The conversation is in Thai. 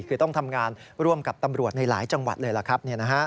คือต้องทำงานร่วมกับตำรวจในหลายจังหวัดเลยล่ะครับ